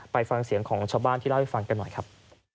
ไปฟังเสียงของชาวบ้านที่เล่าให้ฟังกันหน่อยครับ